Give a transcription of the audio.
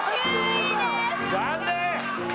残念！